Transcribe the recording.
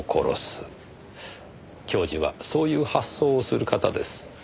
教授はそういう発想をする方です。